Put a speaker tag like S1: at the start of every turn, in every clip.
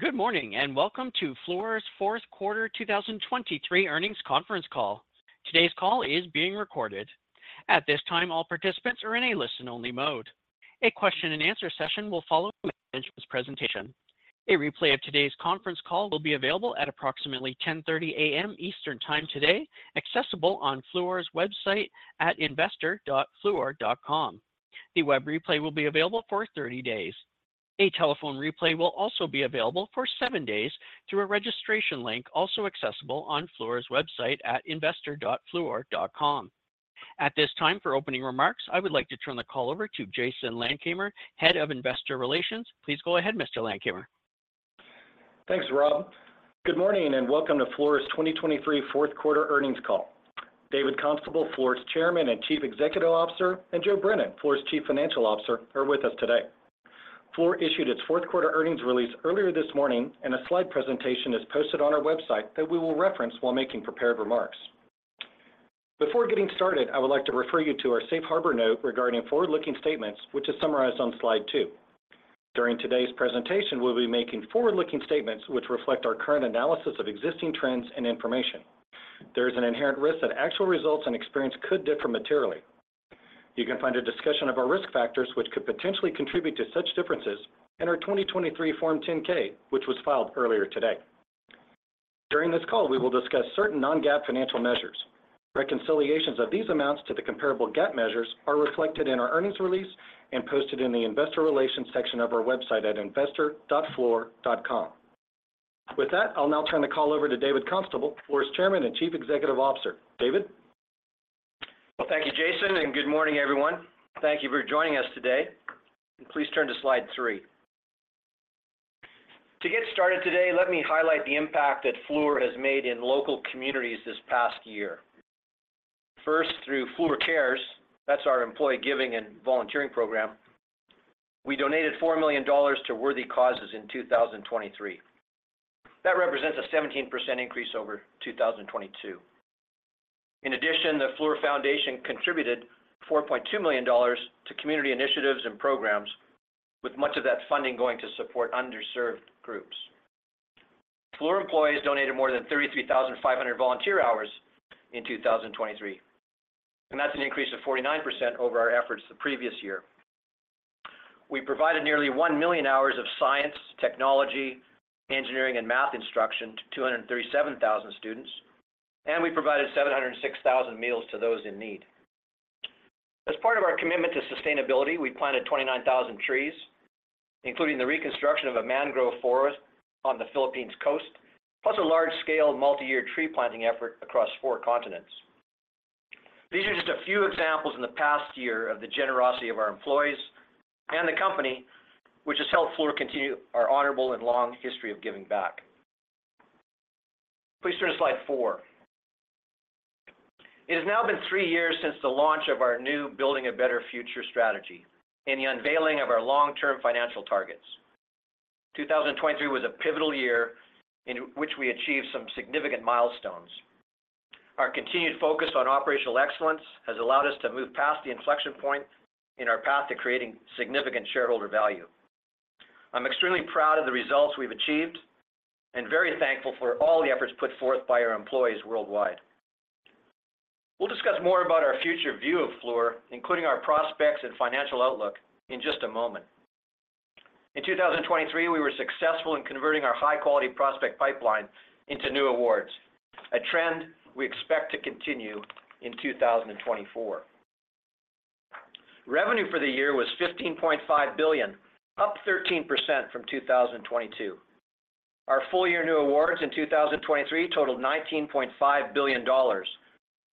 S1: Good morning and welcome to Fluor's Fourth Quarter 2023 Earnings Conference Call. Today's call is being recorded. At this time, all participants are in a listen-only mode. A question-and-answer session will follow the management's presentation. A replay of today's conference call will be available at approximately 10:30 A.M. Eastern Time today, accessible on Fluor's website at investor.fluor.com. The web replay will be available for 30 days. A telephone replay will also be available for 7 days through a registration link also accessible on Fluor's website at investor.fluor.com. At this time, for opening remarks, I would like to turn the call over to Jason Landkamer, head of investor relations. Please go ahead, Mr. Landkamer.
S2: Thanks, Rob. Good morning and welcome to Fluor's 2023 Fourth Quarter Earnings Call. David Constable, Fluor's Chairman and Chief Executive Officer, and Joe Brennan, Fluor's Chief Financial Officer, are with us today. Fluor issued its Fourth Quarter Earnings Release earlier this morning, and a slide presentation is posted on our website that we will reference while making prepared remarks. Before getting started, I would like to refer you to our Safe Harbor note regarding forward-looking statements, which is summarized on slide 2. During today's presentation, we'll be making forward-looking statements which reflect our current analysis of existing trends and information. There is an inherent risk that actual results and experience could differ materially. You can find a discussion of our risk factors which could potentially contribute to such differences in our 2023 Form 10-K, which was filed earlier today. During this call, we will discuss certain non-GAAP financial measures. Reconciliations of these amounts to the comparable GAAP measures are reflected in our earnings release and posted in the investor relations section of our website at investor.fluor.com. With that, I'll now turn the call over to David Constable, Fluor's Chairman and Chief Executive Officer. David?
S3: Well, thank you, Jason, and good morning, everyone. Thank you for joining us today. Please turn to slide 3. To get started today, let me highlight the impact that Fluor has made in local communities this past year. First, through Fluor Cares, that's our employee giving and volunteering program, we donated $4 million to worthy causes in 2023. That represents a 17% increase over 2022. In addition, the Fluor Foundation contributed $4.2 million to community initiatives and programs, with much of that funding going to support underserved groups. Fluor employees donated more than 33,500 volunteer hours in 2023, and that's an increase of 49% over our efforts the previous year. We provided nearly 1 million hours of science, technology, engineering, and math instruction to 237,000 students, and we provided 706,000 meals to those in need. As part of our commitment to sustainability, we planted 29,000 trees, including the reconstruction of a mangrove forest on the Philippine coast, plus a large-scale multi-year tree planting effort across four continents. These are just a few examples in the past year of the generosity of our employees and the company, which has helped Fluor continue our honorable and long history of giving back. Please turn to slide 4. It has now been three years since the launch of our new Building a Better Future strategy and the unveiling of our long-term financial targets. 2023 was a pivotal year in which we achieved some significant milestones. Our continued focus on operational excellence has allowed us to move past the inflection point in our path to creating significant shareholder value. I'm extremely proud of the results we've achieved and very thankful for all the efforts put forth by our employees worldwide. We'll discuss more about our future view of Fluor, including our prospects and financial outlook, in just a moment. In 2023, we were successful in converting our high-quality prospect pipeline into new awards, a trend we expect to continue in 2024. Revenue for the year was $15.5 billion, up 13% from 2022. Our full-year new awards in 2023 totaled $19.5 billion,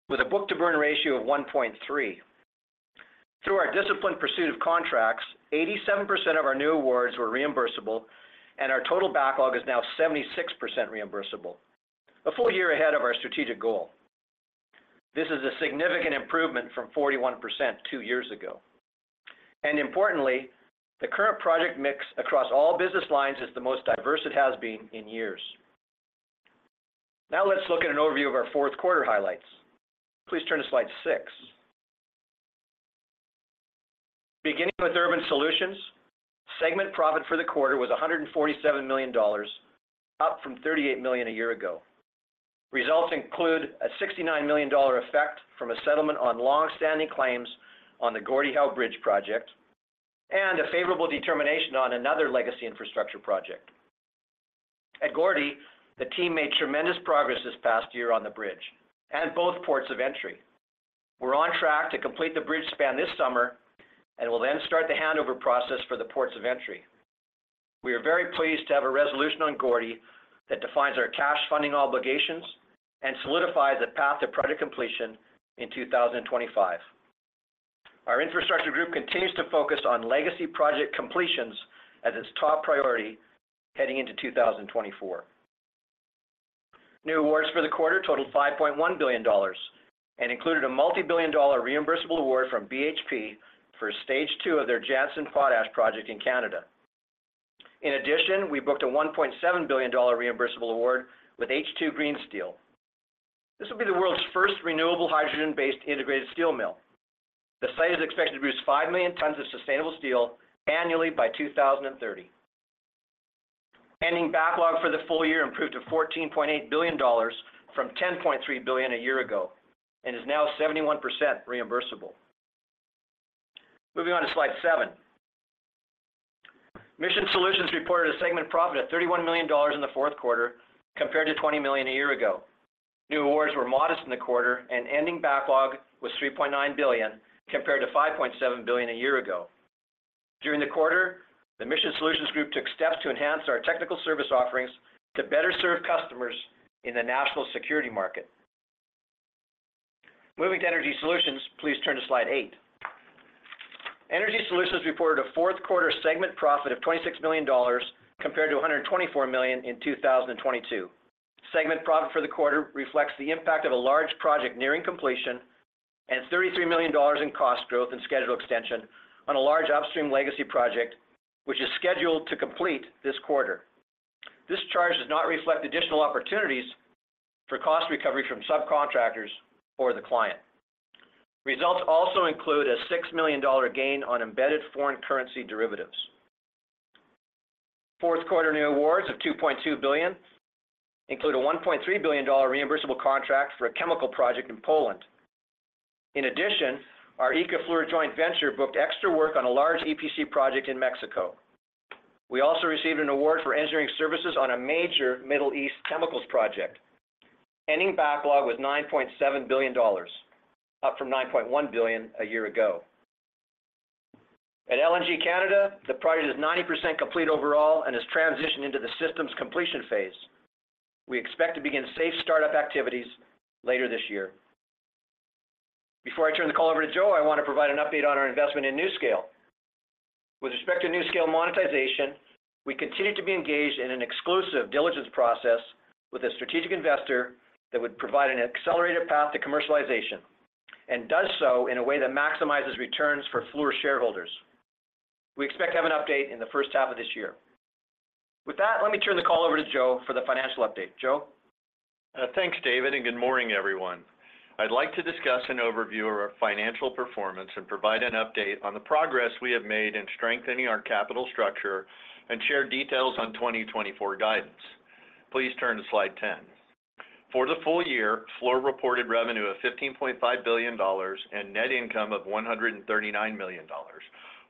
S3: with a book-to-burn ratio of 1.3. Through our disciplined pursuit of contracts, 87% of our new awards were reimbursable, and our total backlog is now 76% reimbursable, a full year ahead of our strategic goal. This is a significant improvement from 41% two years ago. Importantly, the current project mix across all business lines is the most diverse it has been in years. Now let's look at an overview of our fourth quarter highlights. Please turn to slide 6. Beginning with Urban Solutions, segment profit for the quarter was $147 million, up from $38 million a year ago. Results include a $69 million effect from a settlement on longstanding claims on the Gordie Howe Bridge project and a favorable determination on another legacy infrastructure project. At Gordie, the team made tremendous progress this past year on the bridge and both ports of entry. We're on track to complete the bridge span this summer and will then start the handover process for the ports of entry. We are very pleased to have a resolution on Gordie that defines our cash funding obligations and solidifies the path to project completion in 2025. Our Infrastructure group continues to focus on legacy project completions as its top priority heading into 2024. New awards for the quarter totaled $5.1 billion and included a multi-billion dollar reimbursable award from BHP for stage two of their Jansen Potash project in Canada. In addition, we booked a $1.7 billion reimbursable award with H2 Green Steel. This will be the world's first renewable hydrogen-based integrated steel mill. The site is expected to produce 5,000,000 tons of sustainable steel annually by 2030. Ending backlog for the full year improved to $14.8 billion from $10.3 billion a year ago and is now 71% reimbursable. Moving on to slide 7. Mission Solutions reported a segment profit of $31 million in the fourth quarter compared to $20 million a year ago. New awards were modest in the quarter, and ending backlog was $3.9 billion compared to $5.7 billion a year ago. During the quarter, the Mission Solutions group took steps to enhance our technical service offerings to better serve customers in the national security market. Moving to Energy Solutions, please turn to slide 8. Energy Solutions reported a fourth quarter segment profit of $26 million compared to $124 million in 2022. Segment profit for the quarter reflects the impact of a large project nearing completion and $33 million in cost growth and schedule extension on a large upstream legacy project, which is scheduled to complete this quarter. This charge does not reflect additional opportunities for cost recovery from subcontractors or the client. Results also include a $6 million gain on embedded foreign currency derivatives. Fourth quarter new awards of $2.2 billion include a $1.3 billion reimbursable contract for a chemical project in Poland. In addition, our ICA Fluor joint venture booked extra work on a large EPC project in Mexico. We also received an award for engineering services on a major Middle East chemicals project. Ending backlog was $9.7 billion, up from $9.1 billion a year ago. At LNG Canada, the project is 90% complete overall and has transitioned into the systems completion phase. We expect to begin safe startup activities later this year. Before I turn the call over to Joe, I want to provide an update on our investment in NuScale. With respect to NuScale monetization, we continue to be engaged in an exclusive diligence process with a strategic investor that would provide an accelerated path to commercialization and does so in a way that maximizes returns for Fluor shareholders. We expect to have an update in the first half of this year. With that, let me turn the call over to Joe for the financial update. Joe?
S4: Thanks, David, and good morning, everyone. I'd like to discuss an overview of our financial performance and provide an update on the progress we have made in strengthening our capital structure and share details on 2024 guidance. Please turn to slide 10. For the full year, Fluor reported revenue of $15.5 billion and net income of $139 million,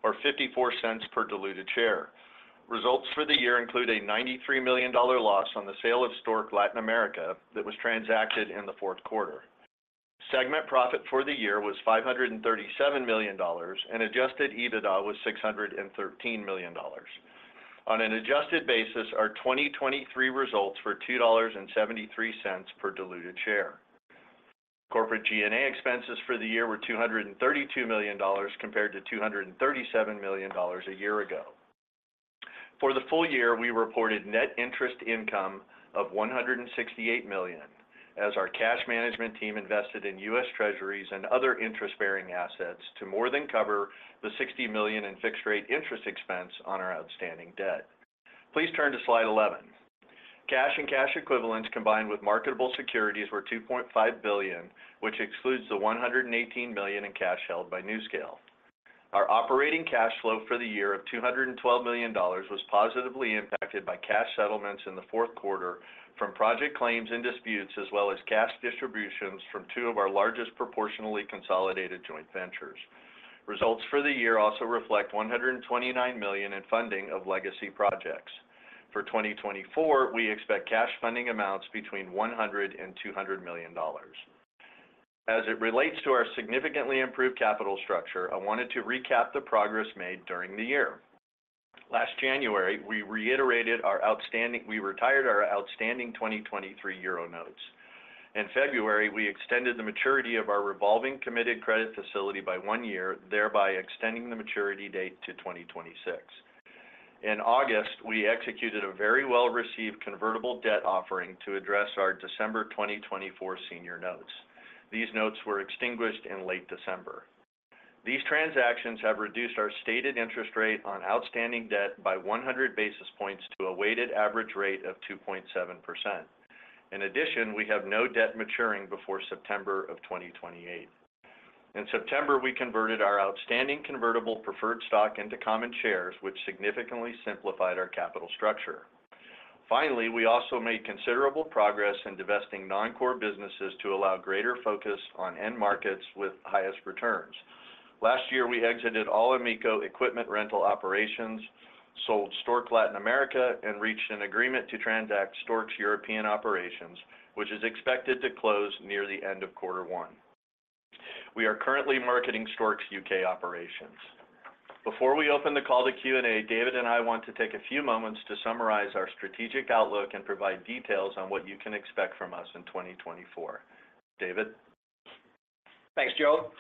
S4: or $0.54 per diluted share. Results for the year include a $93 million loss on the sale of Stork Latin America that was transacted in the fourth quarter. Segment profit for the year was $537 million and Adjusted EBITDA was $613 million. On an adjusted basis, our 2023 results were $2.73 per diluted share. Corporate G&A expenses for the year were $232 million compared to $237 million a year ago. For the full year, we reported net interest income of $168 million as our cash management team invested in U.S. Treasuries and other interest-bearing assets to more than cover the $60 million in fixed-rate interest expense on our outstanding debt. Please turn to slide 11. Cash and cash equivalents combined with marketable securities were $2.5 billion, which excludes the $118 million in cash held by NuScale. Our operating cash flow for the year of $212 million was positively impacted by cash settlements in the fourth quarter from project claims and disputes, as well as cash distributions from two of our largest proportionally consolidated joint ventures. Results for the year also reflect $129 million in funding of legacy projects. For 2024, we expect cash funding amounts between $100 and $200 million. As it relates to our significantly improved capital structure, I wanted to recap the progress made during the year. Last January, we retired our outstanding 2023 euro notes. In February, we extended the maturity of our revolving committed credit facility by one year, thereby extending the maturity date to 2026. In August, we executed a very well-received convertible debt offering to address our December 2024 senior notes. These notes were extinguished in late December. These transactions have reduced our stated interest rate on outstanding debt by 100 basis points to a weighted average rate of 2.7%. In addition, we have no debt maturing before September of 2028. In September, we converted our outstanding convertible preferred stock into common shares, which significantly simplified our capital structure. Finally, we also made considerable progress in divesting non-core businesses to allow greater focus on end markets with highest returns. Last year, we exited all AMECO equipment rental operations, sold Stork Latin America, and reached an agreement to transact Stork's European operations, which is expected to close near the end of quarter one. We are currently marketing Stork's U.K. operations. Before we open the call to Q&A, David and I want to take a few moments to summarize our strategic outlook and provide details on what you can expect from us in 2024. David?
S3: Thanks, Joe.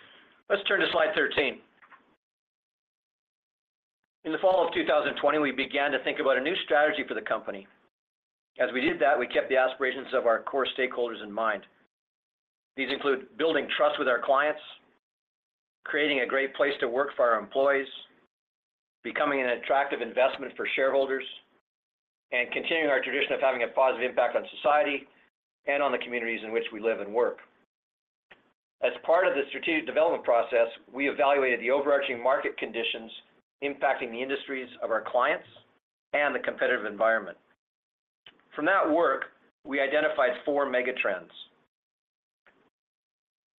S3: Let's turn to slide 13. In the fall of 2020, we began to think about a new strategy for the company. As we did that, we kept the aspirations of our core stakeholders in mind. These include building trust with our clients, creating a great place to work for our employees, becoming an attractive investment for shareholders, and continuing our tradition of having a positive impact on society and on the communities in which we live and work. As part of the strategic development process, we evaluated the overarching market conditions impacting the industries of our clients and the competitive environment. From that work, we identified four megatrends.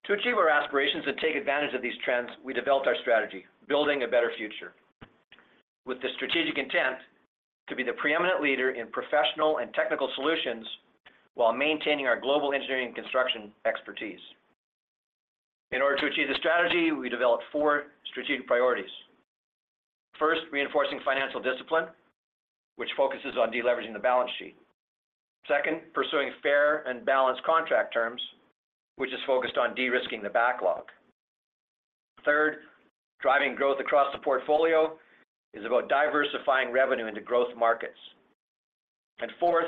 S3: To achieve our aspirations and take advantage of these trends, we developed our strategy, Building a Better Future, with the strategic intent to be the preeminent leader in professional and technical solutions while maintaining our global engineering and construction expertise. In order to achieve the strategy, we developed four strategic priorities. First, reinforcing financial discipline, which focuses on deleveraging the balance sheet. Second, pursuing fair and balanced contract terms, which is focused on de-risking the backlog. Third, driving growth across the portfolio is about diversifying revenue into growth markets. And fourth,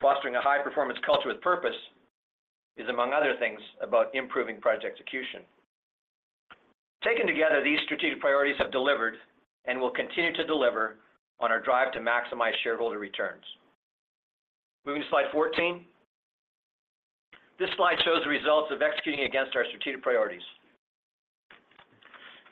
S3: fostering a high-performance culture with purpose is, among other things, about improving project execution. Taken together, these strategic priorities have delivered and will continue to deliver on our drive to maximize shareholder returns. Moving to slide 14. This slide shows the results of executing against our strategic priorities.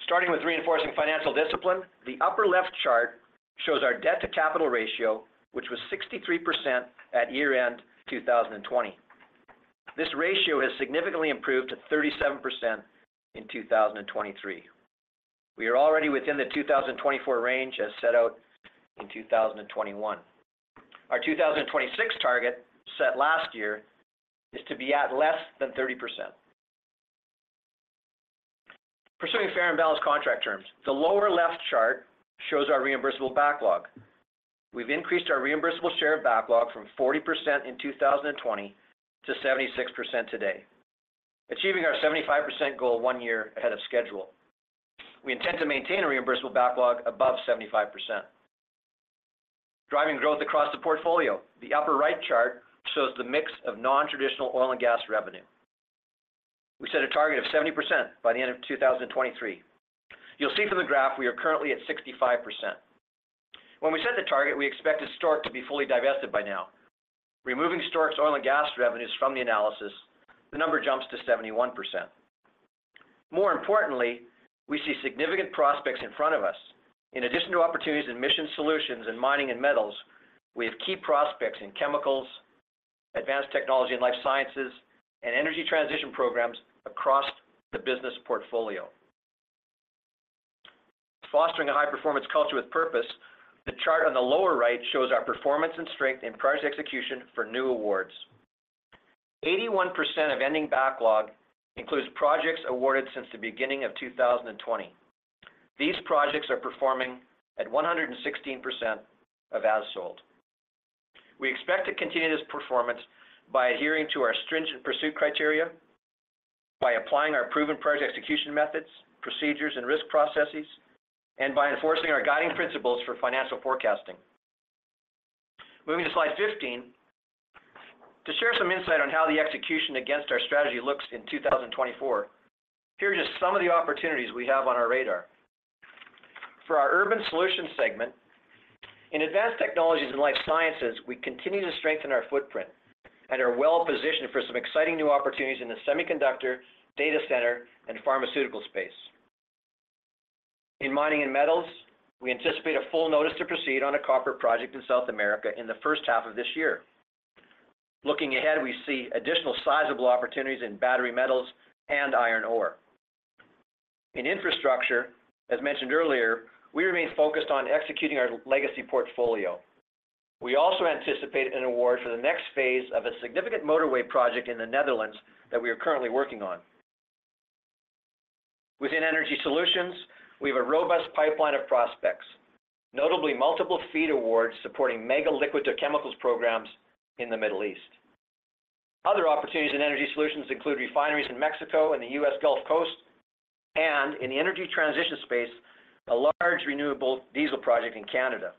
S3: Starting with reinforcing financial discipline, the upper left chart shows our debt-to-capital ratio, which was 63% at year-end 2020. This ratio has significantly improved to 37% in 2023. We are already within the 2024 range as set out in 2021. Our 2026 target set last year is to be at less than 30%. Pursuing fair and balanced contract terms, the lower left chart shows our reimbursable backlog. We've increased our reimbursable share backlog from 40% in 2020 to 76% today, achieving our 75% goal one year ahead of schedule. We intend to maintain a reimbursable backlog above 75%. Driving growth across the portfolio, the upper right chart shows the mix of non-traditional oil and gas revenue. We set a target of 70% by the end of 2023. You'll see from the graph, we are currently at 65%. When we set the target, we expected Stork to be fully divested by now. Removing Stork's oil and gas revenues from the analysis, the number jumps to 71%. More importantly, we see significant prospects in front of us. In addition to opportunities in Mission Solutions and mining and metals, we have key prospects in chemicals, advanced technology and life sciences, and energy transition programs across the business portfolio. Fostering a high-performance culture with purpose, the chart on the lower right shows our performance and strength in project execution for new awards. 81% of ending backlog includes projects awarded since the beginning of 2020. These projects are performing at 116% of as-sold. We expect to continue this performance by adhering to our stringent pursuit criteria, by applying our proven project execution methods, procedures, and risk processes, and by enforcing our guiding principles for financial forecasting. Moving to slide 15. To share some insight on how the execution against our strategy looks in 2024, here are just some of the opportunities we have on our radar. For our Urban Solutions segment, in advanced technologies and life sciences, we continue to strengthen our footprint and are well positioned for some exciting new opportunities in the semiconductor, data center, and pharmaceutical space. In mining and metals, we anticipate a full notice to proceed on a copper project in South America in the first half of this year. Looking ahead, we see additional sizable opportunities in battery metals and iron ore. In infrastructure, as mentioned earlier, we remain focused on executing our legacy portfolio. We also anticipate an award for the next phase of a significant motorway project in the Netherlands that we are currently working on. Within Energy Solutions, we have a robust pipeline of prospects, notably multiple FEED awards supporting mega liquid to chemicals programs in the Middle East. Other opportunities in Energy Solutions include refineries in Mexico and the U.S. Gulf Coast, and in the energy transition space, a large renewable diesel project in Canada.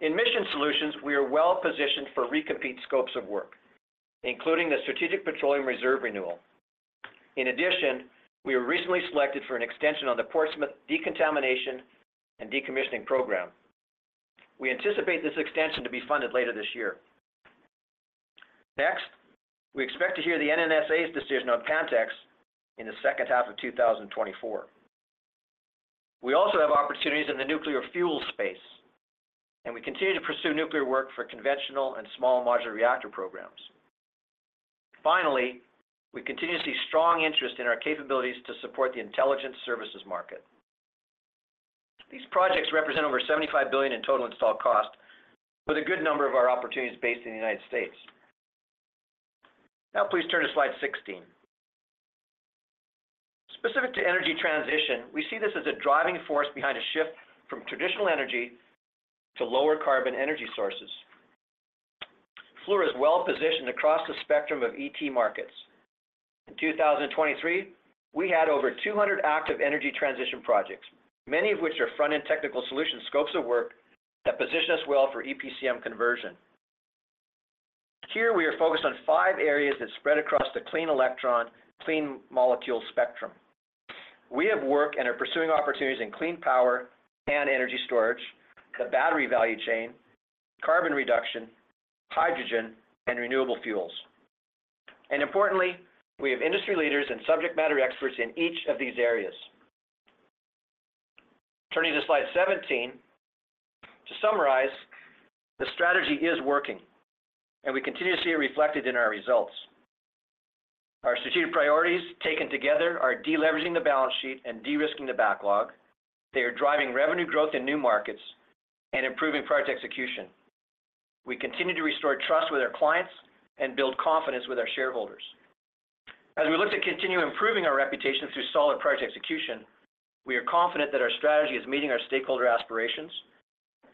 S3: In Mission Solutions, we are well positioned for recompete scopes of work, including the Strategic Petroleum Reserve renewal. In addition, we were recently selected for an extension on the Portsmouth decontamination and decommissioning program. We anticipate this extension to be funded later this year. Next, we expect to hear the NNSA's decision on Pantex in the second half of 2024. We also have opportunities in the nuclear fuel space, and we continue to pursue nuclear work for conventional and small modular reactor programs. Finally, we continue to see strong interest in our capabilities to support the intelligence services market. These projects represent over $75 billion in total install cost, with a good number of our opportunities based in the United States. Now, please turn to slide 16. Specific to energy transition, we see this as a driving force behind a shift from traditional energy to lower carbon energy sources. Fluor is well positioned across the spectrum of ET markets. In 2023, we had over 200 active energy transition projects, many of which are front-end technical solution scopes of work that position us well for EPCM conversion. Here, we are focused on five areas that spread across the clean electron, clean molecule spectrum. We have work and are pursuing opportunities in clean power and energy storage, the battery value chain, carbon reduction, hydrogen, and renewable fuels. And importantly, we have industry leaders and subject matter experts in each of these areas. Turning to slide 17. To summarize, the strategy is working, and we continue to see it reflected in our results. Our strategic priorities, taken together, are deleveraging the balance sheet and de-risking the backlog. They are driving revenue growth in new markets and improving project execution. We continue to restore trust with our clients and build confidence with our shareholders. As we look to continue improving our reputation through solid project execution, we are confident that our strategy is meeting our stakeholder aspirations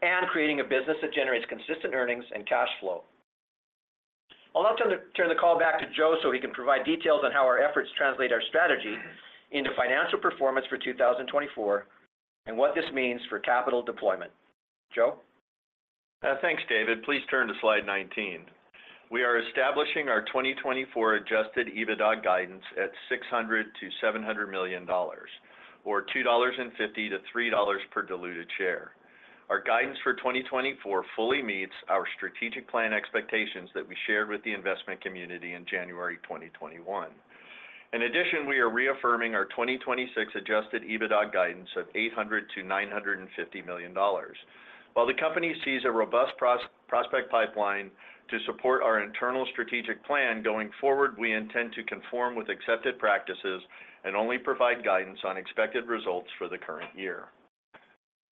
S3: and creating a business that generates consistent earnings and cash flow. I'll now turn the call back to Joe so he can provide details on how our efforts translate our strategy into financial performance for 2024 and what this means for capital deployment. Joe?
S4: Thanks, David. Please turn to slide 19. We are establishing our 2024 adjusted EBITDA guidance at $600-$700 million, or $2.50-$3 per diluted share. Our guidance for 2024 fully meets our strategic plan expectations that we shared with the investment community in January 2021. In addition, we are reaffirming our 2026 adjusted EBITDA guidance of $800-$950 million. While the company sees a robust prospect pipeline to support our internal strategic plan going forward, we intend to conform with accepted practices and only provide guidance on expected results for the current year.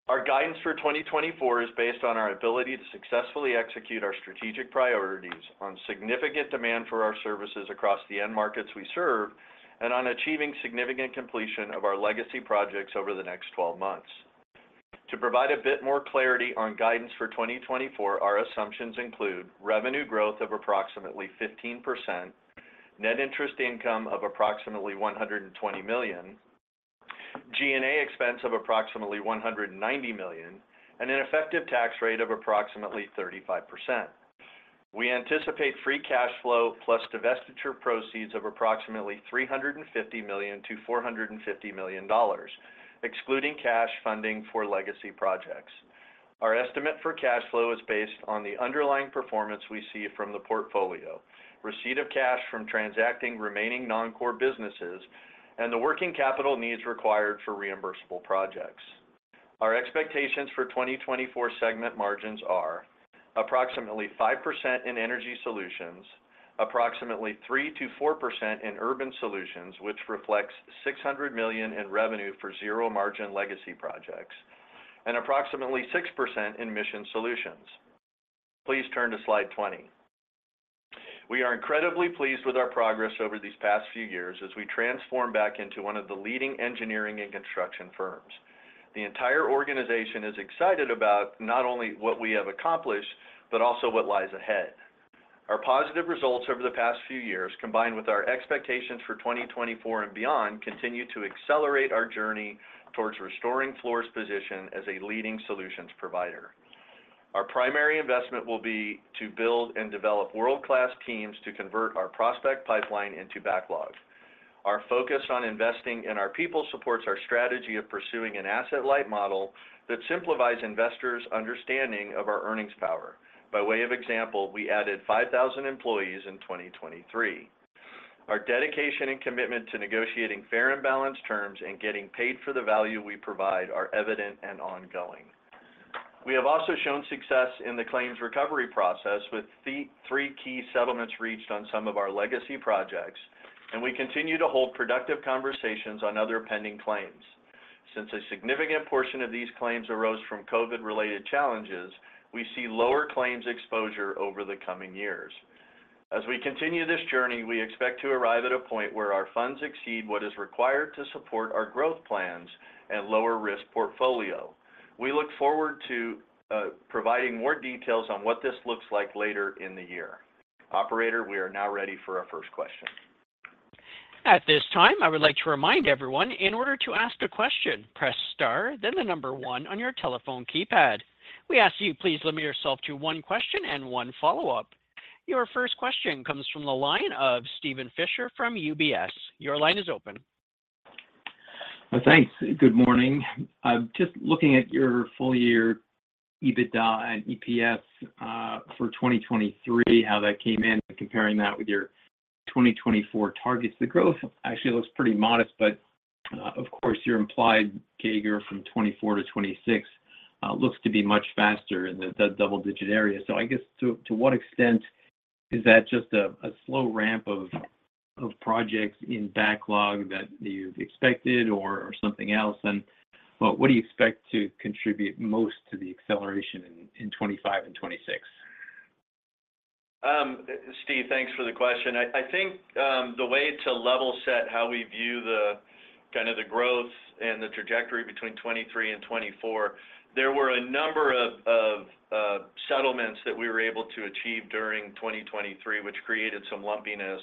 S4: Our guidance for 2024 is based on our ability to successfully execute our strategic priorities on significant demand for our services across the end markets we serve and on achieving significant completion of our legacy projects over the next 12 months. To provide a bit more clarity on guidance for 2024, our assumptions include revenue growth of approximately 15%, net interest income of approximately $120 million, G&A expense of approximately $190 million, and an effective tax rate of approximately 35%. We anticipate free cash flow plus divestiture proceeds of approximately $350 million-$450 million, excluding cash funding for legacy projects. Our estimate for cash flow is based on the underlying performance we see from the portfolio, receipt of cash from transacting remaining non-core businesses, and the working capital needs required for reimbursable projects. Our expectations for 2024 segment margins are approximately 5% in Energy Solutions, approximately 3%-4% in Urban Solutions, which reflects $600 million in revenue for zero margin legacy projects, and approximately 6% in Mission Solutions. Please turn to slide 20. We are incredibly pleased with our progress over these past few years as we transform back into one of the leading engineering and construction firms. The entire organization is excited about not only what we have accomplished, but also what lies ahead. Our positive results over the past few years, combined with our expectations for 2024 and beyond, continue to accelerate our journey towards restoring Fluor's position as a leading solutions provider. Our primary investment will be to build and develop world-class teams to convert our prospect pipeline into backlog. Our focus on investing in our people supports our strategy of pursuing an asset-light model that simplifies investors' understanding of our earnings power. By way of example, we added 5,000 employees in 2023. Our dedication and commitment to negotiating fair and balanced terms and getting paid for the value we provide are evident and ongoing. We have also shown success in the claims recovery process with three key settlements reached on some of our legacy projects, and we continue to hold productive conversations on other pending claims. Since a significant portion of these claims arose from COVID-related challenges, we see lower claims exposure over the coming years. As we continue this journey, we expect to arrive at a point where our funds exceed what is required to support our growth plans and lower-risk portfolio. We look forward to providing more details on what this looks like later in the year. Operator, we are now ready for our first question.
S1: At this time, I would like to remind everyone, in order to ask a question, press star, then the number one on your telephone keypad. We ask you, please limit yourself to one question and one follow-up. Your first question comes from the line of Steven Fisher from UBS. Your line is open.
S5: Thanks. Good morning. Just looking at your full-year EBITDA and EPS for 2023, how that came in, and comparing that with your 2024 targets. The growth actually looks pretty modest, but of course, your implied CAGR from 2024 to 2026 looks to be much faster in the double-digit area. So I guess, to what extent is that just a slow ramp of projects in backlog that you've expected or something else? And what do you expect to contribute most to the acceleration in 2025 and 2026?
S4: Steve, thanks for the question. I think the way to level set how we view kind of the growth and the trajectory between 2023 and 2024, there were a number of settlements that we were able to achieve during 2023, which created some lumpiness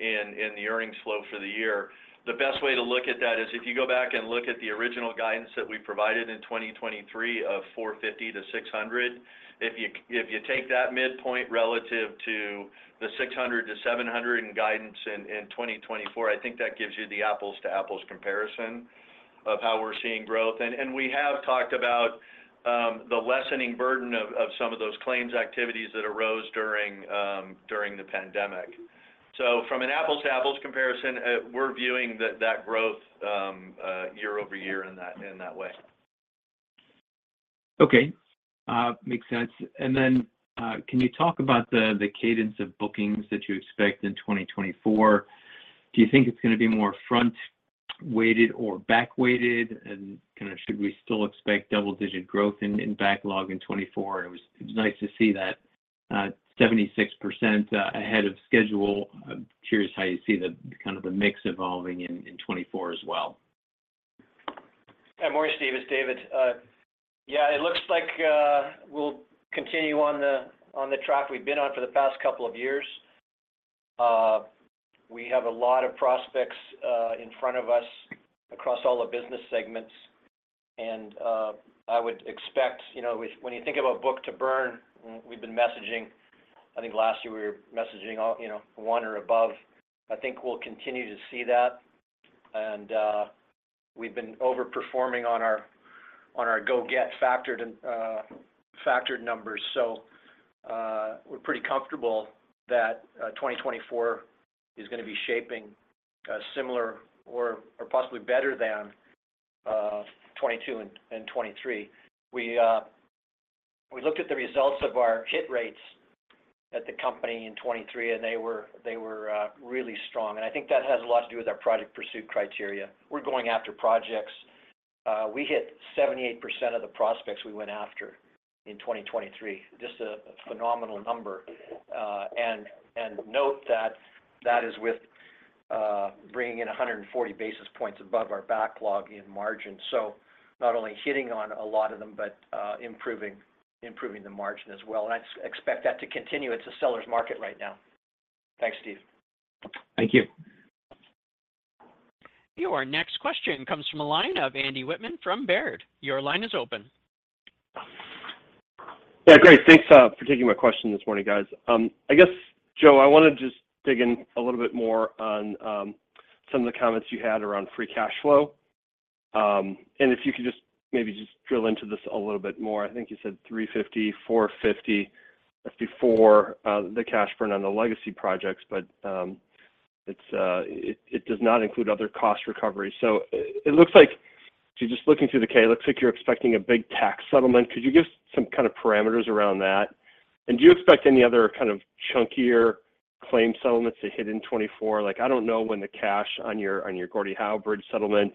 S4: in the earnings flow for the year. The best way to look at that is if you go back and look at the original guidance that we provided in 2023 of $450-$600. If you take that midpoint relative to the $600-$700 guidance in 2024, I think that gives you the apples-to-apples comparison of how we're seeing growth. And we have talked about the lessening burden of some of those claims activities that arose during the pandemic. So from an apples-to-apples comparison, we're viewing that growth year-over-year in that way.
S5: Okay. Makes sense. And then can you talk about the cadence of bookings that you expect in 2024? Do you think it's going to be more front-weighted or back-weighted? And kind of should we still expect double-digit growth in backlog in 2024? It was nice to see that 76% ahead of schedule. I'm curious how you see kind of the mix evolving in 2024 as well.
S3: Morning, Steve. It's David. Yeah, it looks like we'll continue on the track we've been on for the past couple of years. We have a lot of prospects in front of us across all the business segments. I would expect when you think about book-to-burn, we've been messaging I think last year we were messaging 1 or above. I think we'll continue to see that. We've been overperforming on our go-get factored numbers. We're pretty comfortable that 2024 is going to be shaping similar or possibly better than 2022 and 2023. We looked at the results of our hit rates at the company in 2023, and they were really strong. I think that has a lot to do with our project pursuit criteria. We're going after projects. We hit 78% of the prospects we went after in 2023, just a phenomenal number. Note that that is with bringing in 140 basis points above our backlog in margin. So not only hitting on a lot of them, but improving the margin as well. I expect that to continue. It's a seller's market right now. Thanks, Steve.
S5: Thank you.
S1: Your next question comes from a line of Andy Wittmann from Baird. Your line is open.
S6: Yeah, great. Thanks for taking my question this morning, guys. I guess, Joe, I want to just dig in a little bit more on some of the comments you had around free cash flow. And if you could just maybe just drill into this a little bit more. I think you said $350-$450. That's before the cash burn on the legacy projects, but it does not include other cost recovery. So it looks like just looking through the K, it looks like you're expecting a big tax settlement. Could you give some kind of parameters around that? And do you expect any other kind of chunkier claim settlements to hit in 2024? I don't know when the cash on your Gordie Howe Bridge settlement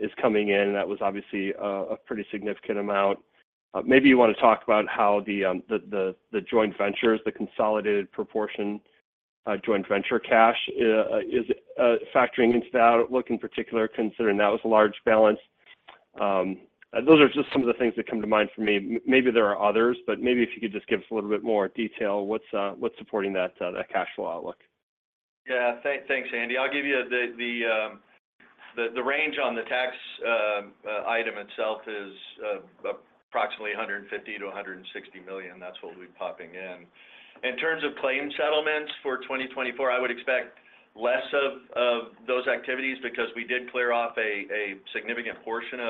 S6: is coming in. That was obviously a pretty significant amount. Maybe you want to talk about how the joint ventures, the consolidated proportion joint venture cash is factoring into that outlook in particular, considering that was a large balance. Those are just some of the things that come to mind for me. Maybe there are others, but maybe if you could just give us a little bit more detail, what's supporting that cash flow outlook?
S4: Yeah, thanks, Andy. I'll give you the range on the tax item itself is approximately $150-$160 million. That's what we've popping in. In terms of claim settlements for 2024, I would expect less of those activities because we did clear off a significant portion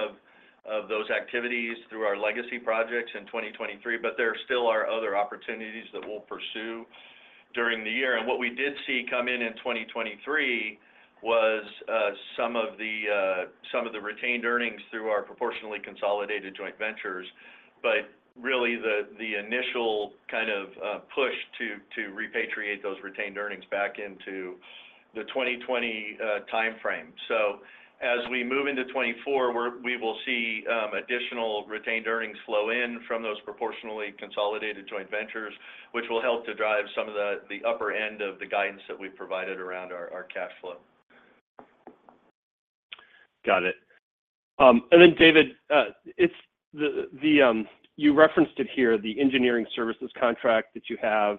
S4: of those activities through our legacy projects in 2023. But there still are other opportunities that we'll pursue during the year. And what we did see come in in 2023 was some of the retained earnings through our proportionally consolidated joint ventures, but really the initial kind of push to repatriate those retained earnings back into the 2020 timeframe. So as we move into 2024, we will see additional retained earnings flow in from those proportionally consolidated joint ventures, which will help to drive some of the upper end of the guidance that we've provided around our cash flow.
S6: Got it. And then, David, you referenced it here, the engineering services contract that you have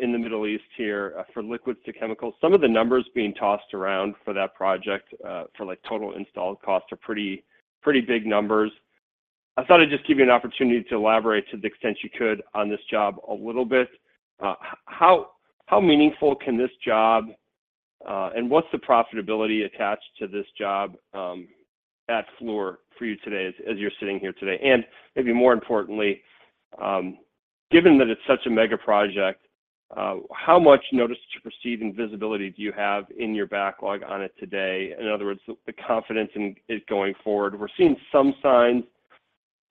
S6: in the Middle East here for liquid to chemicals. Some of the numbers being tossed around for that project, for total installed costs, are pretty big numbers. I thought I'd just give you an opportunity to elaborate to the extent you could on this job a little bit. How meaningful can this job, and what's the profitability attached to this job at Fluor for you today as you're sitting here today? And maybe more importantly, given that it's such a mega project, how much notice to proceed and visibility do you have in your backlog on it today? In other words, the confidence going forward. We're seeing some signs.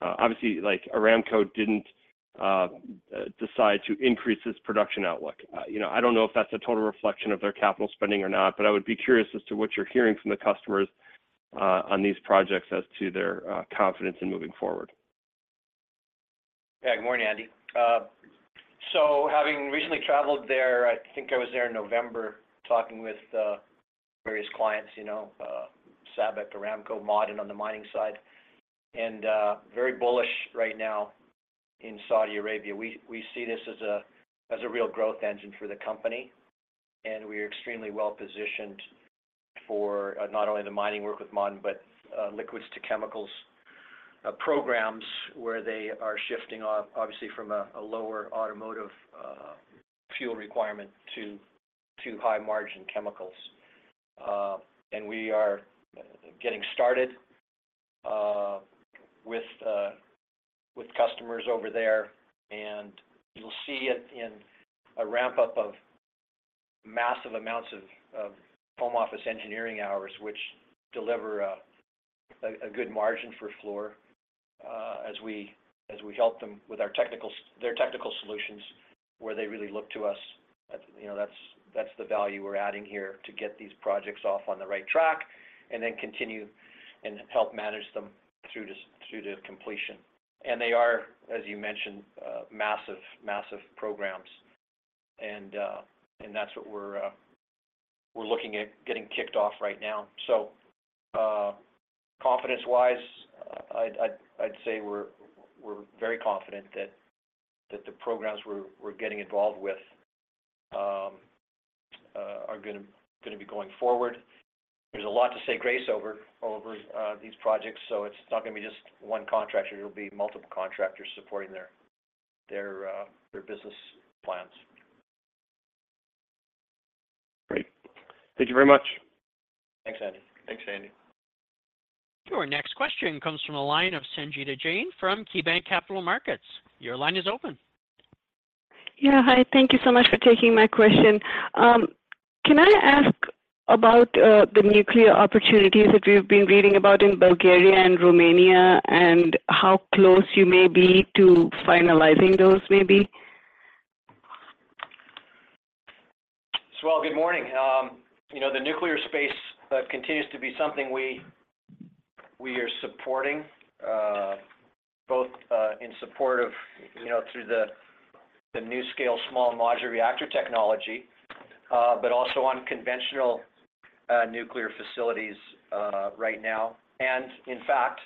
S6: Obviously, Aramco didn't decide to increase its production outlook. I don't know if that's a total reflection of their capital spending or not, but I would be curious as to what you're hearing from the customers on these projects as to their confidence in moving forward.
S3: Yeah, good morning, Andy. So having recently traveled there, I think I was there in November talking with various clients, SABIC, Aramco, Ma'aden on the mining side, and very bullish right now in Saudi Arabia. We see this as a real growth engine for the company, and we are extremely well-positioned for not only the mining work with Ma'aden but liquids to chemicals programs where they are shifting, obviously, from a lower automotive fuel requirement to high-margin chemicals. And we are getting started with customers over there, and you'll see a ramp-up of massive amounts of home office engineering hours, which deliver a good margin for Fluor as we help them with their technical solutions where they really look to us. That's the value we're adding here to get these projects off on the right track and then continue and help manage them through to completion. They are, as you mentioned, massive programs. That's what we're looking at getting kicked off right now. Confidence-wise, I'd say we're very confident that the programs we're getting involved with are going to be going forward. There's a lot to say grace over these projects, so it's not going to be just one contractor. It'll be multiple contractors supporting their business plans.
S6: Great. Thank you very much.
S3: Thanks, Andy.
S4: Thanks, Andy.
S1: Your next question comes from a line of Sangita Jain from KeyBanc Capital Markets. Your line is open.
S7: Yeah, hi. Thank you so much for taking my question. Can I ask about the nuclear opportunities that we've been reading about in Bulgaria and Romania and how close you may be to finalizing those maybe?
S3: Well, good morning. The nuclear space continues to be something we are supporting, both in support of through the NuScale small modular reactor technology, but also on conventional nuclear facilities right now. In fact,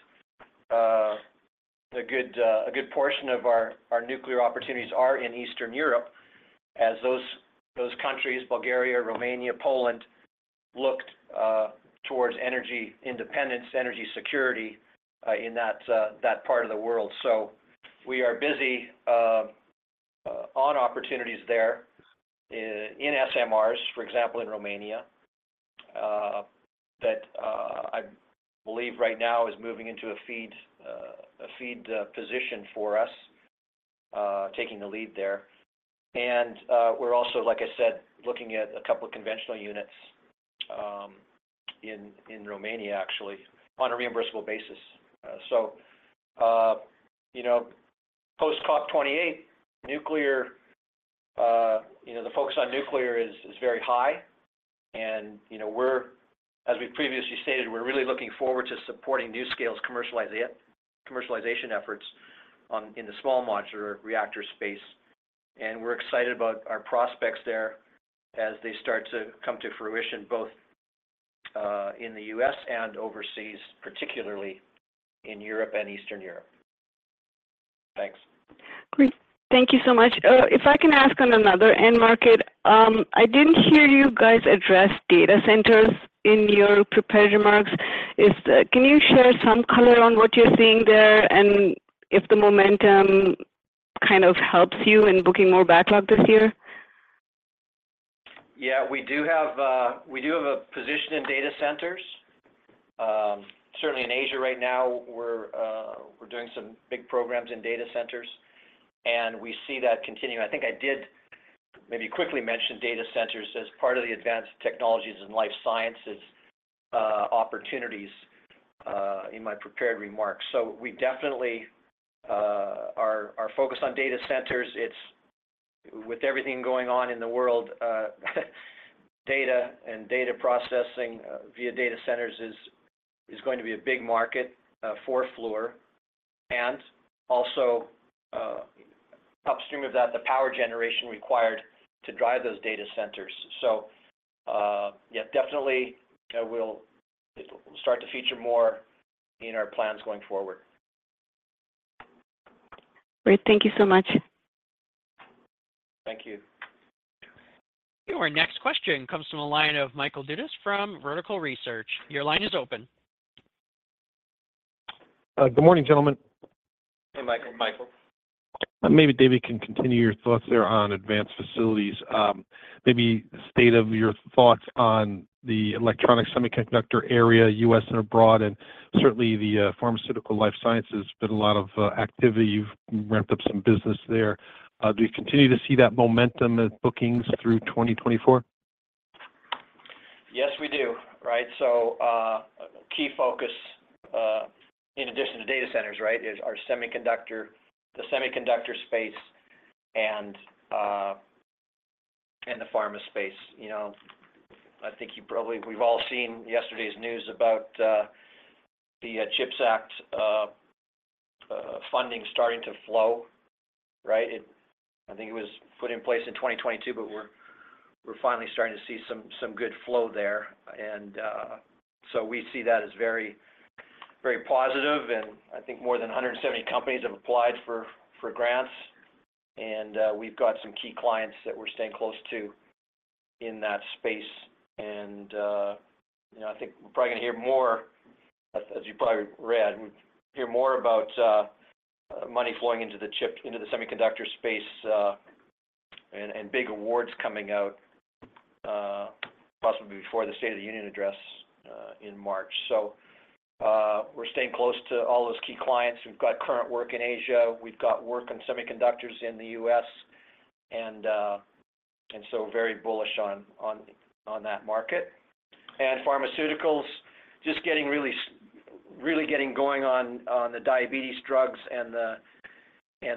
S3: a good portion of our nuclear opportunities are in Eastern Europe as those countries, Bulgaria, Romania, Poland, look towards energy independence, energy security in that part of the world. So we are busy on opportunities there in SMRs, for example, in Romania, that I believe right now is moving into a FEED position for us, taking the lead there. And we're also, like I said, looking at a couple of conventional units in Romania, actually, on a reimbursable basis. So post-COP 28, the focus on nuclear is very high. And as we previously stated, we're really looking forward to supporting NuScale commercialization efforts in the small modular reactor space. We're excited about our prospects there as they start to come to fruition, both in the U.S. and overseas, particularly in Europe and Eastern Europe. Thanks.
S7: Great. Thank you so much. If I can ask on another end market, I didn't hear you guys address data centers in your prepared remarks. Can you share some color on what you're seeing there and if the momentum kind of helps you in booking more backlog this year?
S3: Yeah, we do have a position in data centers. Certainly, in Asia right now, we're doing some big programs in data centers. We see that continuing. I think I did maybe quickly mention data centers as part of the advanced technologies and life sciences opportunities in my prepared remarks. Our focus on data centers, with everything going on in the world, data and data processing via data centers is going to be a big market for Fluor. Upstream of that, the power generation required to drive those data centers. Yeah, definitely, it'll start to feature more in our plans going forward.
S7: Great. Thank you so much.
S3: Thank you.
S1: Your next question comes from a line of Michael Dudas from Vertical Research. Your line is open.
S8: Good morning, gentlemen.
S4: Hey, Michael.
S8: Michael.
S6: Maybe David can continue your thoughts there on advanced facilities. Maybe state of your thoughts on the electronic semiconductor area, U.S. and abroad, and certainly the pharmaceutical life sciences. Been a lot of activity. You've ramped up some business there. Do you continue to see that momentum in bookings through 2024?
S3: Yes, we do, right? So a key focus, in addition to data centers, right, is the semiconductor space and the pharma space. I think we've all seen yesterday's news about the CHIPS Act funding starting to flow, right? I think it was put in place in 2022, but we're finally starting to see some good flow there. And so we see that as very positive. And I think more than 170 companies have applied for grants. And we've got some key clients that we're staying close to in that space. And I think we're probably going to hear more, as you probably read, we'll hear more about money flowing into the semiconductor space and big awards coming out possibly before the State of the Union address in March. So we're staying close to all those key clients. We've got current work in Asia. We've got work on semiconductors in the U.S. And so very bullish on that market. And pharmaceuticals, just really getting going on the diabetes drugs and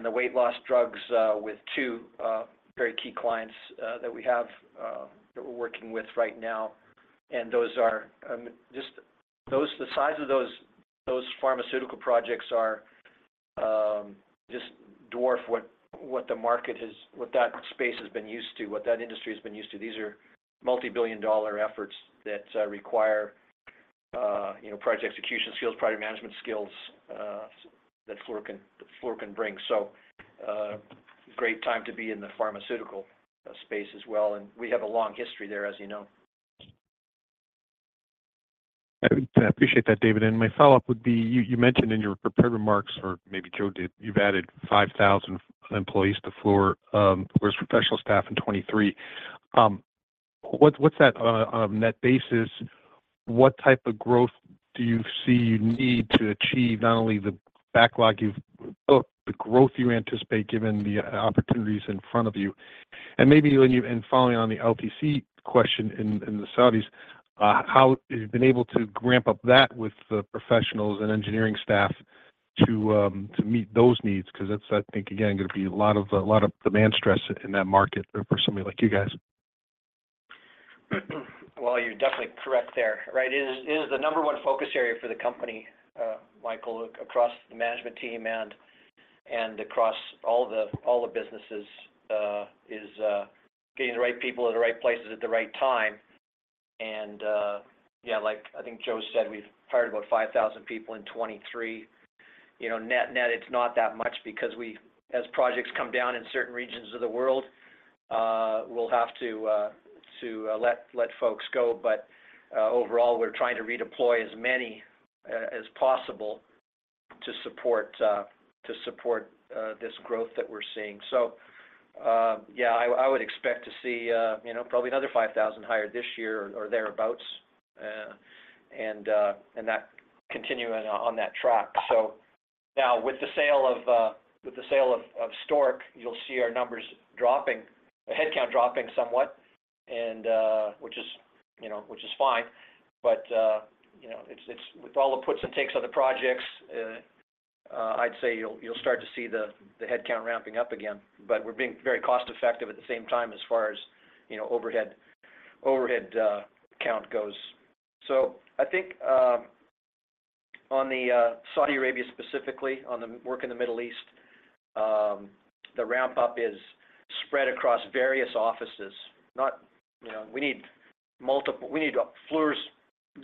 S3: the weight loss drugs with two very key clients that we have that we're working with right now. And just the size of those pharmaceutical projects just dwarfs what the market has what that space has been used to, what that industry has been used to. These are multi-billion dollar efforts that require project execution skills, project management skills that Fluor can bring. So great time to be in the pharmaceutical space as well. And we have a long history there, as you know.
S9: I appreciate that, David. And my follow-up would be, you mentioned in your prepared remarks, or maybe Joe did, you've added 5,000 employees to Fluor, whereas professional staff in 2023. What's that on a net basis? What type of growth do you see you need to achieve not only the backlog you've built, the growth you anticipate given the opportunities in front of you? And maybe following on the LTC question in the Saudis, have you been able to ramp up that with the professionals and engineering staff to meet those needs? Because that's, I think, again, going to be a lot of demand stress in that market for somebody like you guys.
S3: Well, you're definitely correct there, right? It is the number one focus area for the company, Michael, across the management team and across all the businesses, is getting the right people at the right places at the right time. And yeah, like I think Joe said, we've hired about 5,000 people in 2023. Net, it's not that much because as projects come down in certain regions of the world, we'll have to let folks go. But overall, we're trying to redeploy as many as possible to support this growth that we're seeing. So yeah, I would expect to see probably another 5,000 hired this year or thereabouts and continue on that track. So now, with the sale of Stork, you'll see our numbers dropping, headcount dropping somewhat, which is fine. But with all the puts and takes on the projects, I'd say you'll start to see the headcount ramping up again. But we're being very cost-effective at the same time as far as overhead count goes. So I think on Saudi Arabia specifically, on the work in the Middle East, the ramp-up is spread across various offices. We need Fluor's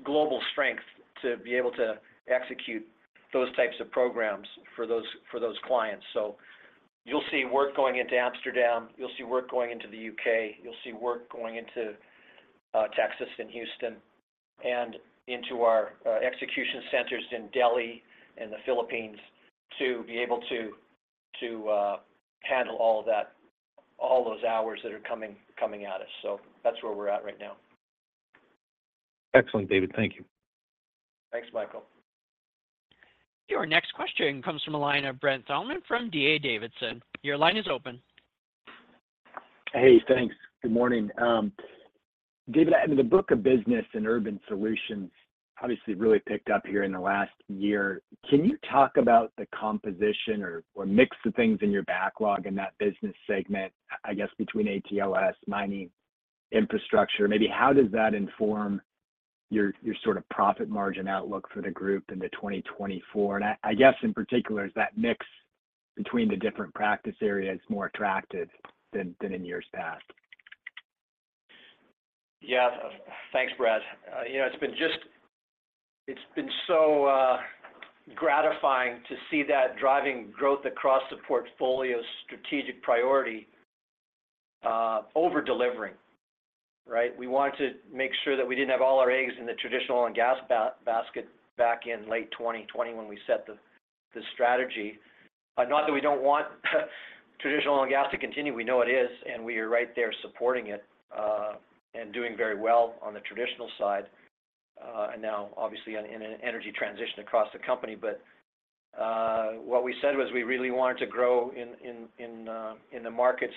S3: global strength to be able to execute those types of programs for those clients. So you'll see work going into Amsterdam. You'll see work going into the U.K.. You'll see work going into Texas and Houston and into our execution centers in Delhi and the Philippines to be able to handle all of those hours that are coming at us. So that's where we're at right now.
S9: Excellent, David. Thank you.
S3: Thanks, Michael.
S1: Your next question comes from a line of Brent Thielman from D.A. Davidson. Your line is open.
S10: Hey, thanks. Good morning. David, I mean, the book of business and urban solutions obviously really picked up here in the last year. Can you talk about the composition or mix of things in your backlog in that business segment, I guess, between ATLS, mining, infrastructure? Maybe how does that inform your sort of profit margin outlook for the group in 2024? And I guess, in particular, is that mix between the different practice areas more attractive than in years past?
S3: Yeah. Thanks, Brad. It's been so gratifying to see that driving growth across the portfolio's strategic priority over-delivering, right? We wanted to make sure that we didn't have all our eggs in the traditional oil and gas basket back in late 2020 when we set the strategy. Not that we don't want traditional oil and gas to continue. We know it is. And we are right there supporting it and doing very well on the traditional side and now, obviously, in an energy transition across the company. But what we said was we really wanted to grow in the markets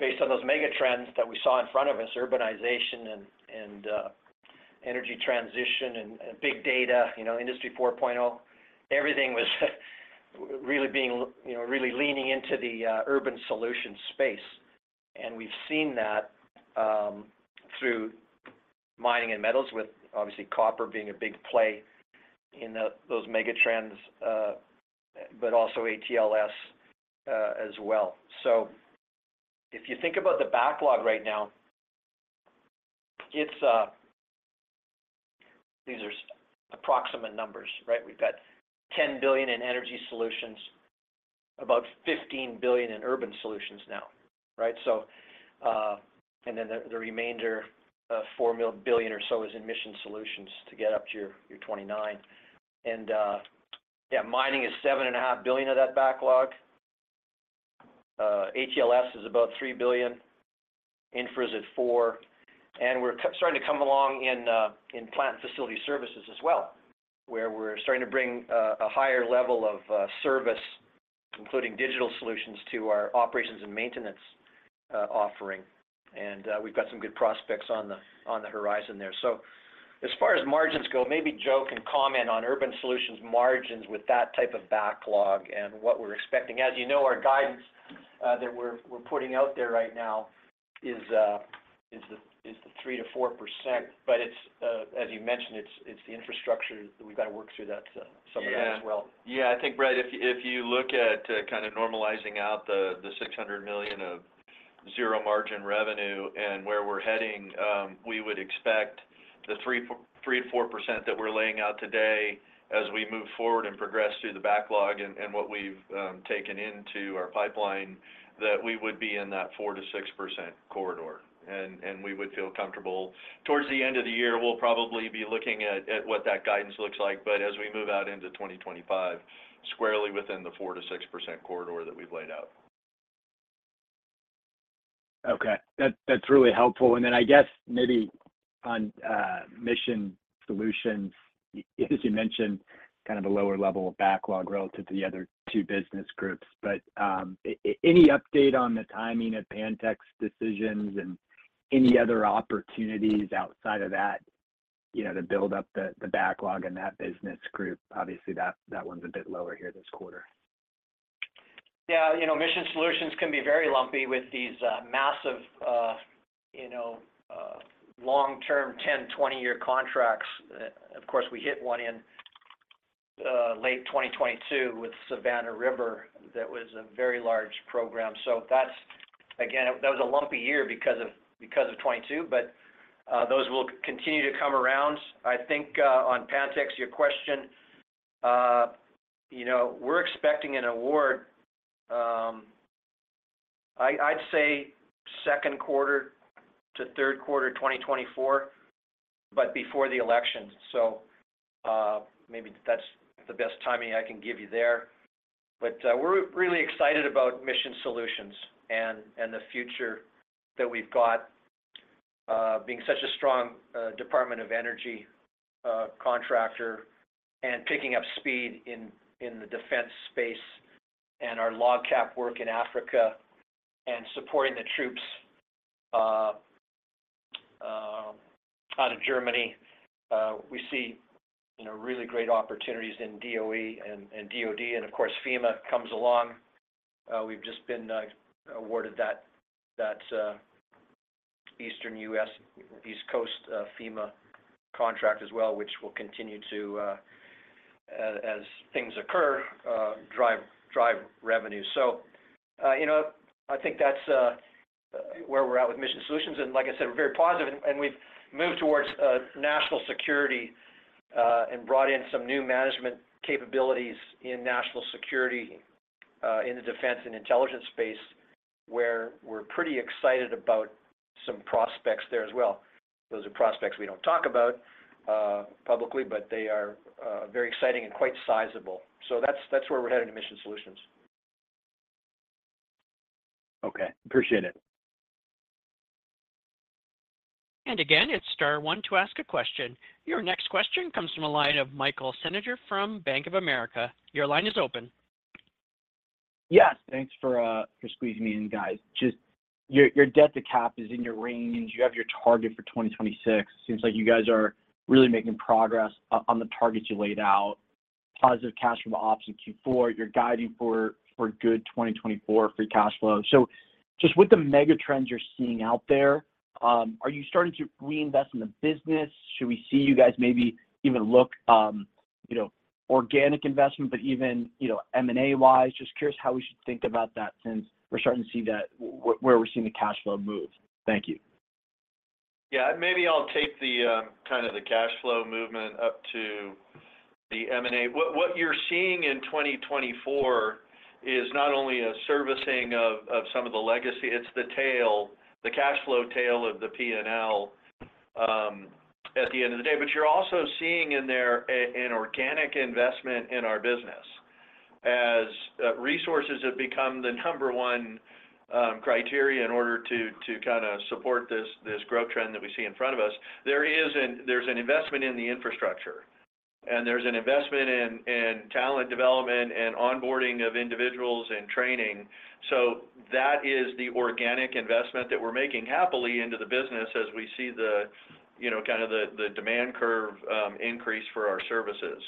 S3: based on those mega trends that we saw in front of us, urbanization and energy transition and big data, Industry 4.0. Everything was really leaning into the urban solution space. And we've seen that through mining and metals with, obviously, copper being a big play in those mega trends, but also ATLS as well. So if you think about the backlog right now, these are approximate numbers, right? We've got $10 billion in energy solutions, about $15 billion in urban solutions now, right? And then the remainder of $4 billion or so is emission solutions to get up to your $29 billion. And yeah, mining is $7.5 billion of that backlog. ATLS is about $3 billion. Infra is at $4 billion. And we're starting to come along in plant and facility services as well, where we're starting to bring a higher level of service, including digital solutions, to our operations and maintenance offering. And we've got some good prospects on the horizon there. So as far as margins go, maybe Joe can comment on Urban Solutions margins with that type of backlog and what we're expecting. As you know, our guidance that we're putting out there right now is the 3%-4%. But as you mentioned, it's the infrastructure that we've got to work through some of that as well.
S4: Yeah. I think, Brad, if you look at kind of normalizing out the $600 million of zero margin revenue and where we're heading, we would expect the 3%-4% that we're laying out today as we move forward and progress through the backlog and what we've taken into our pipeline, that we would be in that 4%-6% corridor. And we would feel comfortable towards the end of the year, we'll probably be looking at what that guidance looks like, but as we move out into 2025, squarely within the 4%-6% corridor that we've laid out.
S10: Okay. That's really helpful. And then I guess maybe on Mission Solutions, as you mentioned, kind of a lower level of backlog relative to the other two business groups. But any update on the timing of Pantex decisions and any other opportunities outside of that to build up the backlog in that business group? Obviously, that one's a bit lower here this quarter.
S3: Yeah. Mission Solutions can be very lumpy with these massive long-term 10, 20-year contracts. Of course, we hit one in late 2022 with Savannah River that was a very large program. So again, that was a lumpy year because of 2022. But those will continue to come around. I think on Pantex, your question, we're expecting an award, I'd say, second quarter to third quarter 2024, but before the election. So maybe that's the best timing I can give you there. But we're really excited about Mission Solutions and the future that we've got being such a strong Department of Energy contractor and picking up speed in the defense space and our LOGCAP work in Africa and supporting the troops out of Germany. We see really great opportunities in DOE and DOD. And of course, FEMA comes along. We've just been awarded that Eastern U.S. East Coast FEMA contract as well, which will continue to, as things occur, drive revenue. So I think that's where we're at with Mission Solutions. And like I said, we're very positive. And we've moved towards national security and brought in some new management capabilities in national security, in the defense and intelligence space, where we're pretty excited about some prospects there as well. Those are prospects we don't talk about publicly, but they are very exciting and quite sizable. So that's where we're headed in Mission Solutions.
S10: Okay. Appreciate it.
S1: And again, it's star one to ask a question. Your next question comes from a line of Michael Feniger from Bank of America. Your line is open.
S9: Yes. Thanks for squeezing me in, guys. Just your debt-to-capital is in your range. You have your target for 2026. It seems like you guys are really making progress on the targets you laid out, positive cash flow ops in Q4. You're guiding for good 2024 free cash flow. So just with the mega trends you're seeing out there, are you starting to reinvest in the business? Should we see you guys maybe even look organic investment, but even M&A-wise? Just curious how we should think about that since we're starting to see where we're seeing the cash flow move. Thank you.
S4: Yeah. Maybe I'll take kind of the cash flow movement up to the M&A. What you're seeing in 2024 is not only a servicing of some of the legacy, it's the cash flow tail of the P&L at the end of the day. But you're also seeing in there an organic investment in our business. As resources have become the number one criteria in order to kind of support this growth trend that we see in front of us, there's an investment in the infrastructure. And there's an investment in talent development and onboarding of individuals and training. So that is the organic investment that we're making happily into the business as we see kind of the demand curve increase for our services.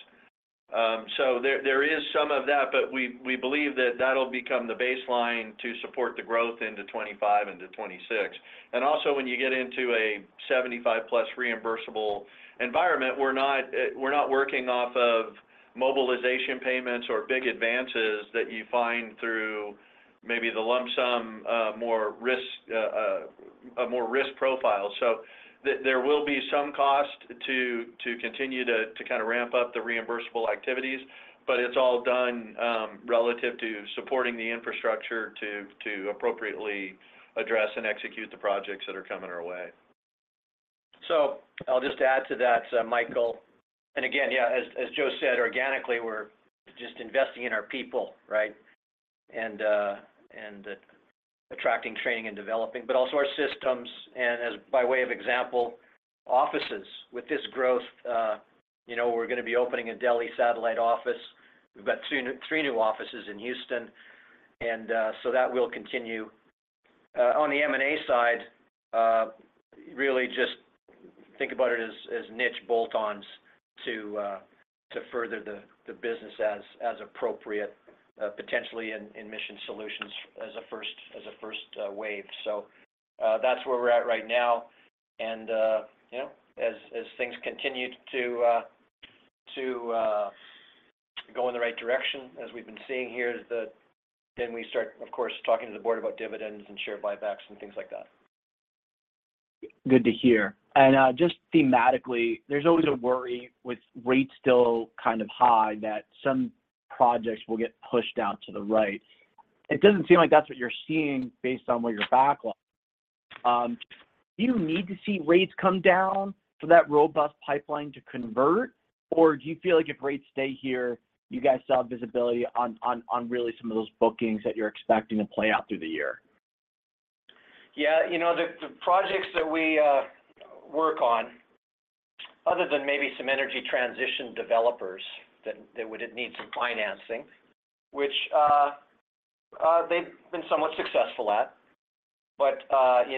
S4: So there is some of that, but we believe that that'll become the baseline to support the growth into 2025 and to 2026. And also, when you get into a 75+ reimbursable environment, we're not working off of mobilization payments or big advances that you find through maybe the lump sum, more risk profiles. So there will be some cost to continue to kind of ramp up the reimbursable activities, but it's all done relative to supporting the infrastructure to appropriately address and execute the projects that are coming our way.
S3: So I'll just add to that, Michael. And again, yeah, as Joe said, organically, we're just investing in our people, right, and attracting, training and developing, but also our systems. And by way of example, for offices, with this growth, we're going to be opening a Delhi satellite office. We've got three new offices in Houston. And so that will continue. On the M&A side, really just think about it as niche bolt-ons to further the business as appropriate, potentially in Mission Solutions as a first wave. So that's where we're at right now. And as things continue to go in the right direction, as we've been seeing here, then we start, of course, talking to the board about dividends and share buybacks and things like that.
S9: Good to hear. And just thematically, there's always a worry with rates still kind of high that some projects will get pushed out to the right. It doesn't seem like that's what you're seeing based on where your backlog is. Do you need to see rates come down for that robust pipeline to convert, or do you feel like if rates stay here, you guys still have visibility on really some of those bookings that you're expecting to play out through the year?
S3: Yeah. The projects that we work on, other than maybe some energy transition developers that would need some financing, which they've been somewhat successful at, but our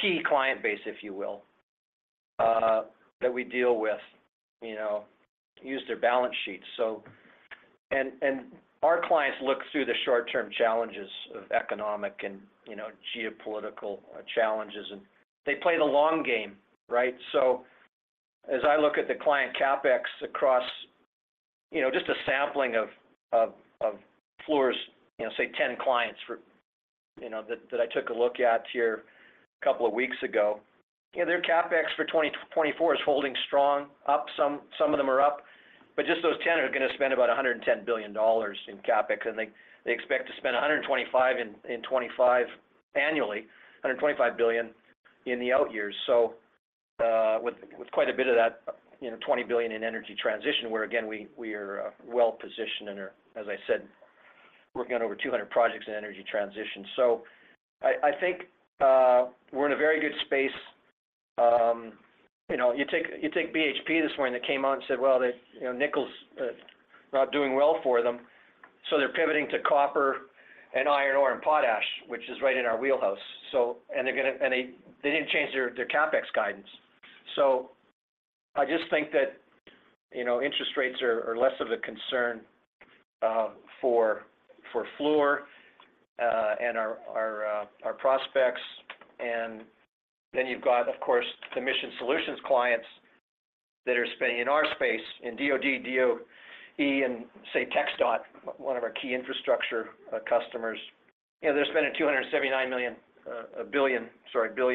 S3: key client base, if you will, that we deal with, use their balance sheets. Our clients look through the short-term challenges of economic and geopolitical challenges. They play the long game, right? So as I look at the client CapEx across just a sampling of Fluor's, say, 10 clients that I took a look at here a couple of weeks ago, their CapEx for 2024 is holding strong up. Some of them are up. But just those 10 are going to spend about $110 billion in CapEx. And they expect to spend $125 billion in 2025 annually, $125 billion in the out years. So with quite a bit of that, $20 billion in energy transition, where, again, we are well-positioned and are, as I said, working on over 200 projects in energy transition. So I think we're in a very good space. You take BHP this morning that came out and said, "Well, nickel's not doing well for them." So they're pivoting to copper and iron ore and potash, which is right in our wheelhouse. And they didn't change their CapEx guidance. So I just think that interest rates are less of a concern for Fluor and our prospects. And then you've got, of course, the Mission Solutions clients that are spending in our space, in DOD, DOE, and, say, TxDOT, one of our key infrastructure customers. They're spending $279 billion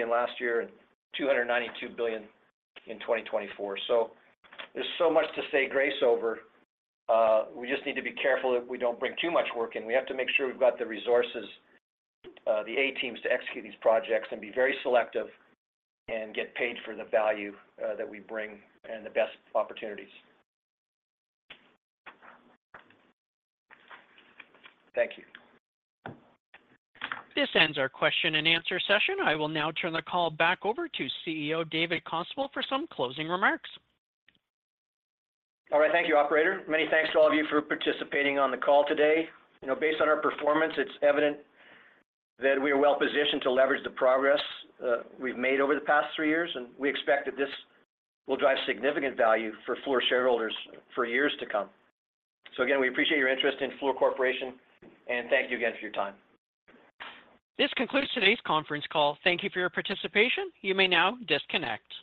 S3: last year and $292 billion in 2024. So there's so much to say grace over. We just need to be careful that we don't bring too much work in. We have to make sure we've got the resources, the A-teams to execute these projects and be very selective and get paid for the value that we bring and the best opportunities. Thank you.
S1: This ends our question and answer session. I will now turn the call back over to CEO David Constable for some closing remarks.
S3: All right. Thank you, operator. Many thanks to all of you for participating on the call today. Based on our performance, it's evident that we are well-positioned to leverage the progress we've made over the past three years. And we expect that this will drive significant value for Fluor shareholders for years to come. So again, we appreciate your interest in Fluor Corporation. And thank you again for your time.
S1: This concludes today's conference call. Thank you for your participation. You may now disconnect.